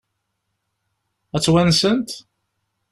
Ad tt-wansent?